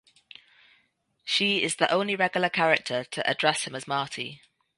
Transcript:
She is the only regular character to address him as Marty.